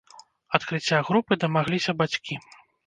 Адкрыцця групы дамагліся бацькі.